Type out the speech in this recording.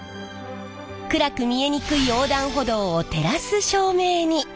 暗く見えにくい横断歩道を照らす照明に。